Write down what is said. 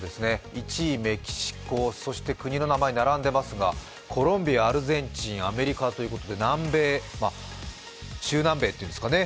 １位メキシコ、そして国の名前が並んでいますが、コロンビア、アルゼンチン、アメリカということで中南米というんですかね